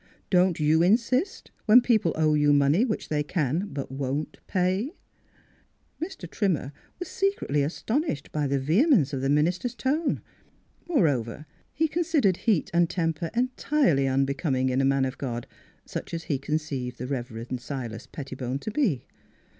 Don't you insist, when people owe you money which they can but won't pay? " Mr. Trimmer was secretly astonished by the vehemence of the minister's tone. Moreover, he considered heat and temper entirely unbecoming in a man of God, such as he conceived the Rev. Silas Petti bone to be.